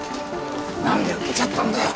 何で受けちゃったんだよ。